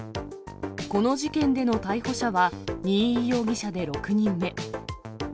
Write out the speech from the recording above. この事件での逮捕者は新居容疑者で６人目。